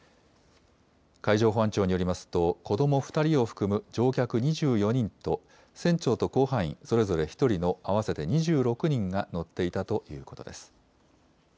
海上保安庁によりますと、子ども２人を含む乗客２４人と船長と甲板員、それぞれ１人の、合わせて２６人が乗っていたということです。